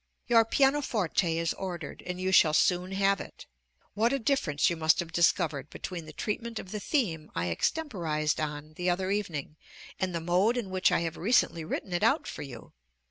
Your pianoforte is ordered, and you shall soon have it. What a difference you must have discovered between the treatment of the Theme I extemporized on the other evening, and the mode in which I have recently written it out for you!